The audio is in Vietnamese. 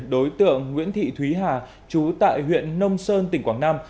đối tượng nguyễn thị thúy hà chú tại huyện nông sơn tỉnh quảng nam